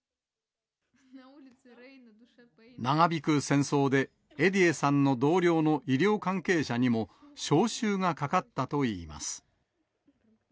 長引く戦争でエディエさんの同僚の医療関係者にも招集がかかったといいます。